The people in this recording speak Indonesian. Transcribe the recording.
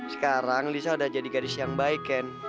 sekarang lisa udah jadi gadis yang baik kan